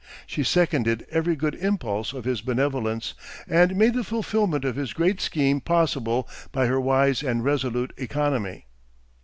She seconded every good impulse of his benevolence, and made the fulfillment of his great scheme possible by her wise and resolute economy.